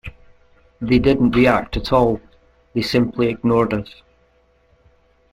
They didn't react at all; they simply ignored us.